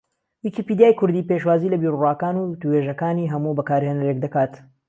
ویکیپیدیای کوردی پێشوازی لە بیروڕاکان و وتووێژەکانی ھەموو بەکارھێنەرێک دەکات